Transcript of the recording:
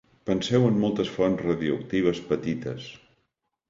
Penseu en moltes fonts radioactives petites.